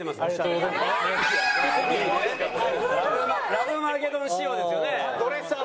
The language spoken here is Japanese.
ラブマゲドン仕様ですよね。